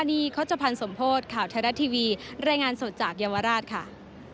บางพาณีเขาจะพันสมโพธิ์ข่าวเท้ารัดทีวีแรงงานสดจากเยาวราชค่ะ